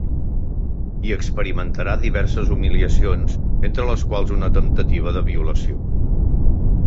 Hi experimentarà diverses humiliacions, entre les quals una temptativa de violació.